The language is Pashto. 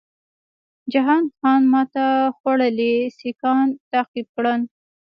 جهان خان ماته خوړلي سیکهان تعقیب کړل.